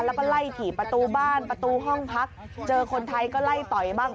แล้วก็ไล่ถี่ประตูบ้านประตูห้องพักเจอคนไทยก็ไล่ต่อยบ้าง